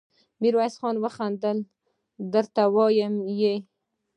ميرويس خان وخندل: درته وايم يې!